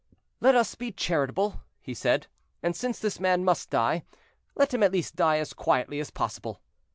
"Let us be charitable," he said; "and since this man must die, let him at least die as quietly as possible."